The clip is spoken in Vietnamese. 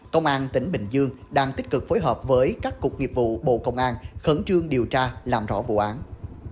tuy nhiên cơ quan cảnh sát điều tra công an tỉnh bình dương kêu gọi người dân báo tin người thân mất liên lạc để nhanh chóng xác định lai lịch của nạn nhân